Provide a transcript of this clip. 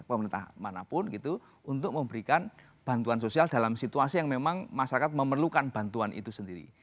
pemerintah manapun gitu untuk memberikan bantuan sosial dalam situasi yang memang masyarakat memerlukan bantuan itu sendiri